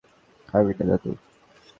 আমি না দাদু!